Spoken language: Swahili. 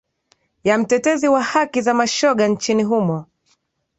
ya mtetezi wa haki za mashoga nchini humo